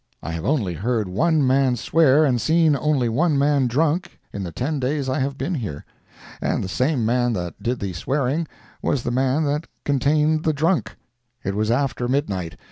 I have only heard one man swear and seen only one man drunk in the ten days I have been here. And the same man that did the swearing was the man that contained the drunk. It was after midnight.